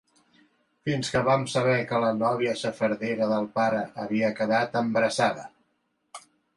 Fins que vam saber que la nòvia xafardera del pare havia quedat embarassada.